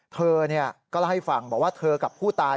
เธอก็เล่าให้ฟังบอกว่าเธอกับผู้ตาย